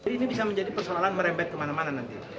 ini bisa menjadi persoalan merembet kemana mana nanti